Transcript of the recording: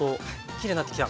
きれいになってきた！